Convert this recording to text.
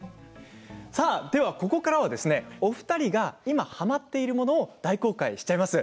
ここからは、お二人が今はまっているものを大公開しちゃいます。